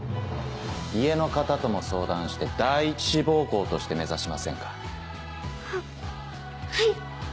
家の方とも相談して第一志望校として目指しませんか。ははい！